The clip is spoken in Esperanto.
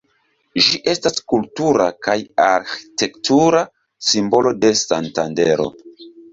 Ĝi estas kultura kaj arĥitektura simbolo de Santandero.